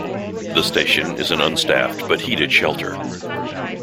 The station is an unstaffed but heated shelter.